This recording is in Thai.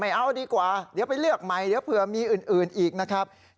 เอ้าไม่เอาดีกว่าเดี๋ยวไปเลือกใหม่เพื่อมีอื่นอีกนะครับ